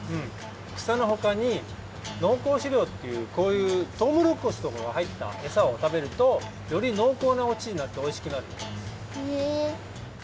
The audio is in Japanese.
くさのほかに濃厚しりょうっていうこういうトウモロコシとかがはいったエサを食べるとより濃厚なおちちになっておいしくなるよ！へ！